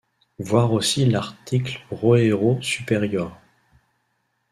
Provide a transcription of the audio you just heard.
Voir aussi l'article Roero superiore.